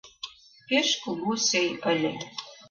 Пеш кугу сӧй ыле...